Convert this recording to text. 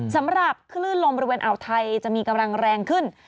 สำหรับคลื่นลมบริเวณอ่าวไทยจะมีกำลังแรงขึ้น